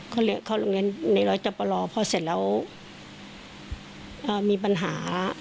เขาเข้าโรงเรียนในร้อยจปรอพอเสร็จแล้วมีปัญหา